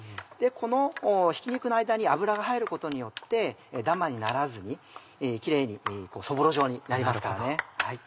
このひき肉の間に油が入ることによってダマにならずにキレイにそぼろ状になりますからね。